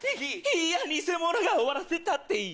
いや偽者が終わらせたっていい。